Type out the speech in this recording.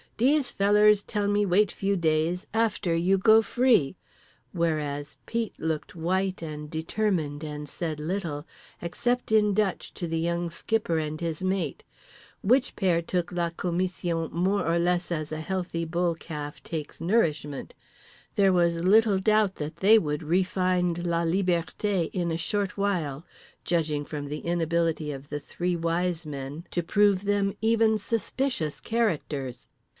Dese fellers tell me wait few days, after you go free," whereas Pete looked white and determined and said little—except in Dutch to the Young Skipper and his mate; which pair took la commission more or less as a healthy bull calf takes nourishment: there was little doubt that they would refind la liberté in a short while, judging from the inability of the Three Wise Men to prove them even suspicious characters.